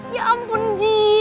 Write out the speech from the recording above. ya ampun ji